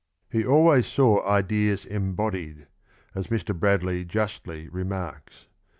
" He always saw ideas embodied," as Mr. Bradley justly remarks.